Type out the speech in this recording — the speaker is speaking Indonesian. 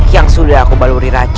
yang sudah aku baluri